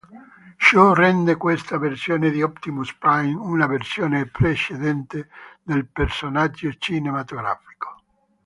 Ciò rende questa versione di Optimus Prime una versione precedente del personaggio cinematografico.